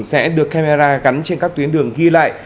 sẽ được camera gắn trên các tuyến đường ghi lại